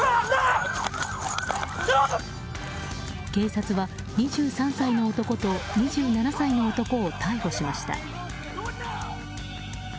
警察は２３歳の男と２７歳の男を逮捕しました。